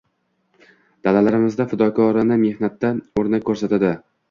Dalalarimizda fidokorona mehnatda o‘rnak ko‘rsatdi.